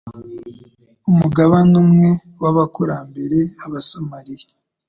Umugabane umwe w'abakurambere b'Aasamariya,